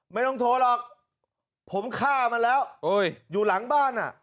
ไม่ต้องโทรหรอกผมฆ่ามันแล้วอยู่หลังบ้านอ่ะ